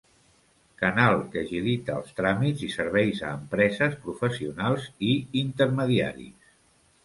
Canal que agilita els tràmits i serveis a empreses, professionals i intermediaris.